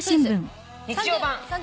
日曜版。